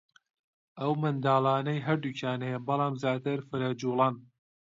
ئەو منداڵانەی هەردووکیان هەیە بەلام زیاتر فرەجووڵەن